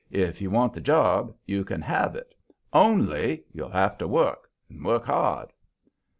If you want the job you can have it. ONLY, you'll have to work, and work hard."